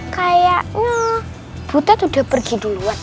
kayak butet udah pergi duluan